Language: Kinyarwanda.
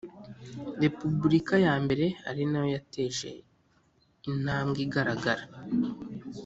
repubulika ya mbere ari na yo yateje intambwe igaragara